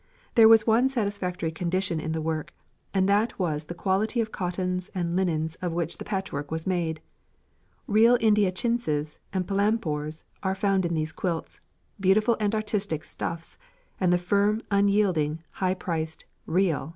There was one satisfactory condition in the work, and that was the quality of cottons and linens of which the patchwork was made. Real India chintzes and palampores are found in these quilts, beautiful and artistic stuffs, and the firm, unyielding, high priced, 'real' French calicoes.